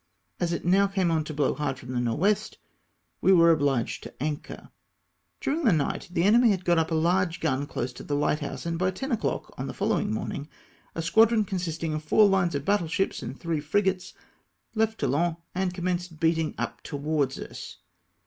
As it now came on to blow hard from the N.W., we were obliged to anchor. During the night the enemy had got up a large gun close to the lighthouse, and by 10 o'clock on the fol lowing morning, a squadron consisting of four hne of battle ships and three frigates left Toulon and com THE MOLE OF CIOTAT. 277 menced beating up towards us.